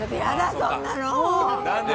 そんなの。